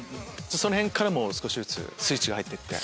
そのへんから少しずつスイッチが入って行って。